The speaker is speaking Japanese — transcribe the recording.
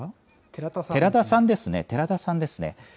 寺田さんですね、寺田さんですね。